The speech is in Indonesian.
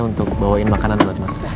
untuk bawain makanan dulu mas